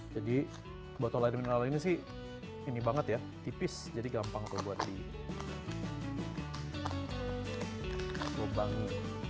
jadi botol air mineral ini sih ini banget ya tipis jadi gampang tuh buat di lubangi